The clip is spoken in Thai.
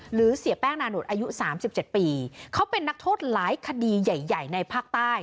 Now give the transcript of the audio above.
หรือเสียแป้งนานนดอายุสามสิบเจ็ดปีเขาเป็นนักโทษหลายคดีใหญ่ใหญ่ในภาคใต้